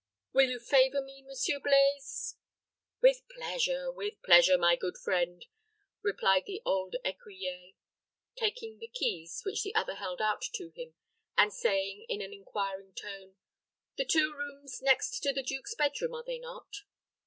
Will you favor me, Monsieur Blaize?" "With pleasure, with pleasure, my good friend," replied the old écuyer, taking the two keys which the other held out to him, and saying, in an inquiring tone, "The two rooms next to the duke's bed room, are they not?"